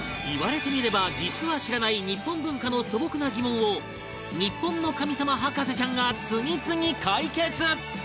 言われてみれば実は知らない日本文化の素朴な疑問を日本の神様博士ちゃんが次々解決